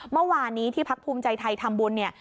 เมื่อวานนี้ที่พักภูมิใจไทยทำบุญเนี่ย